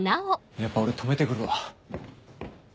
やっぱ俺止めて来るわ。